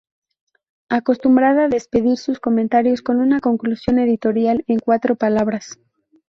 Acostumbraba despedir sus comentarios con una conclusión editorial "en cuatro palabras".